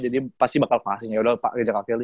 jadi pasti bakal pahasin yaudah pak kejar kak kelly